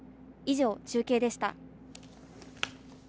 以上、中継でした。